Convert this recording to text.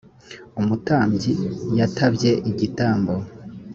umutambyi yatabye igitambo